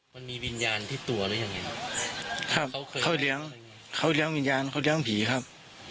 วิญญาณที่ตัวหรือยังไงครับเขาเคยเขาเลี้ยงเขาเลี้ยงวิญญาณเขาเลี้ยงผีครับ